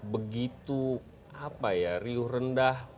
begitu apa ya riuh rendah